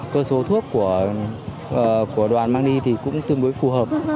cơ số thuốc của đoàn mang đi thì cũng tương đối phù hợp